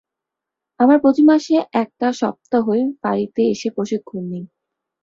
আমরা প্রতিমাসের একটা সপ্তাহয় ফাঁড়িতে এসে প্রশিক্ষণ নেই।